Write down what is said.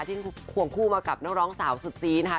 ที่ควงคู่มากับนักร้องสาวสุดซีนะคะ